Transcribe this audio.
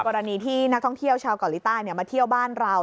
กรณีที่นักท่องเที่ยวชาวเกาหลีใต้มาเที่ยวบ้านเรา